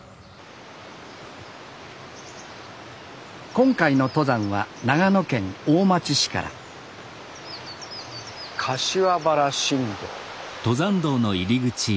今回の登山は長野県大町市から柏原新道。